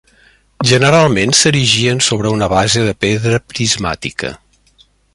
Generalment, s'erigien sobre una base de pedra prismàtica.